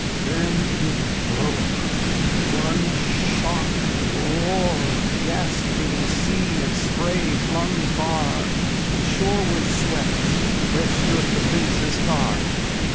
Then it broke, one shock And roar of gasping sea and spray flung far, And shoreward swept, where stood the Prince's car.